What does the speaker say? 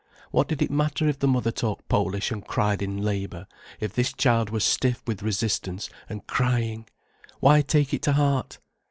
What did it matter if the mother talked Polish and cried in labour, if this child were stiff with resistance, and crying? Why take it to heart?